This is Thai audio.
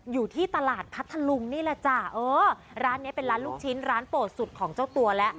อยู่ที่ตลาดพัฒนฝรั่งนี่ล่ะจ้ะร้านนี้เป็นร้านลูกชิ้นร้านโปรดสุดของเจ้าตัวละ